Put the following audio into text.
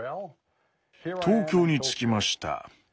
「東京に着きました。